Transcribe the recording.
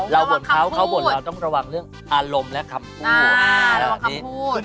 เราบ่นเขาเขาบ่นเราต้องระวังเรื่องอารมณ์และคำพูดอ่าระวังคำพูด